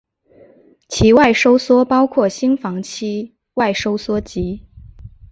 期外收缩包括心房期外收缩及。